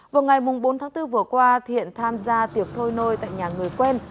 vào ngày bốn tháng bốn vừa qua thiện tham gia tiệc thôi nôi tại nhà người quen